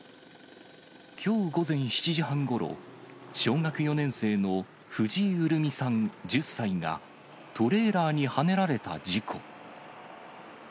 きょう午前７時半ごろ、小学４年生の藤井潤美さん１０歳が、トレーラーにはねられた事故。